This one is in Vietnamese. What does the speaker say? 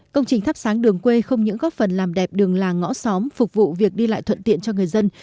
công trình thắp sáng đường quê không những góp phần làm đẹp đường làng ngõ xóm phục vụ việc đi lại thuận tiện cho người dân